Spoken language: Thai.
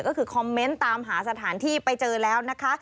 ก็คือคอมเมนต์ตามหาสถานที่ไปเจอแล้วนะคะ